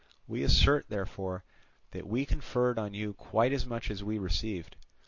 We assert, therefore, that we conferred on you quite as much as we received.